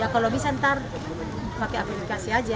kalau bisa ntar pakai aplikasi aja